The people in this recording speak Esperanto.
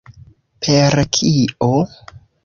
Per kio?